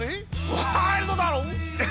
ワイルドだろぉ。